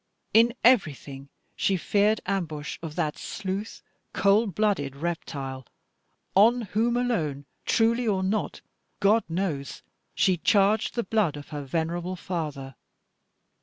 In everything she feared the ambush of that sleuth cold blooded reptile, on whom alone, truly or not God knows, she charged the blood of her venerable father.